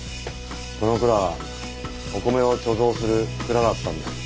この蔵はお米を貯蔵する蔵だったんだよ。